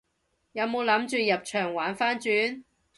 有冇諗住入場玩番轉？